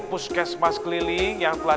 puskesmas keliling yang telah